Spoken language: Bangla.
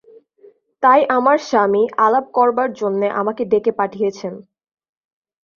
তাই আমার স্বামী আলাপ করবার জন্যে আমাকে ডেকে পাঠিয়েছেন।